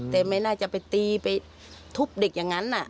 แต่ไม่น่าจะไปตีไปทุบเด็กอย่างนั้น